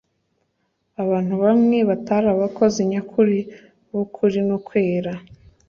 Abantu bamwe batari abakozi nyakuri b'ukvri no kwera,